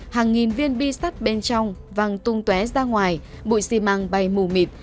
hàng nghìn viên bi sắt bên trong văng tung tué ra ngoài bụi xi măng bay mù mịt